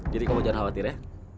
jadi kamu jangan khawatir ya